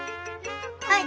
はい！